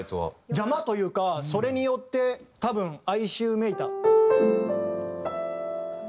邪魔というかそれによって多分哀愁めいた。